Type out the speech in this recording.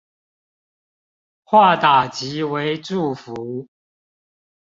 化打擊為祝福